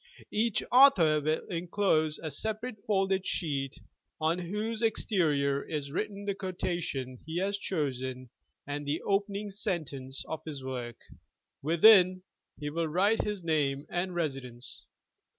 Each author will inclose a separate folded sheet on whose exterior is written the quotation he has chosen and the opening 276 National Geographic Magazine. sentence of his work ; within, he will write his name and residence.